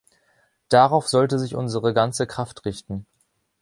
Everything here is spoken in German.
Darauf sollte sich unsere ganze Kraft richten.